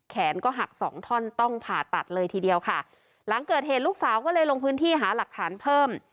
แขนก็หักสองท่อนต้องผ่าตัดเลยทีเดียวค่ะหลังเกิดเหตุลูกสาวก็เลยลงพื้นที่หาหลักฐานเพิ่ม